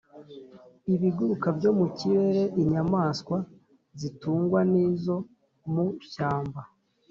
ibiguruka byo mu kirere, inyamaswa zitungwa n'izo mu shyamba,